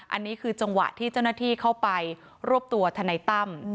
อันนี้คือจังหวะที่เจ้าหน้าที่เข้าไปรวบตัวทนายตั้ม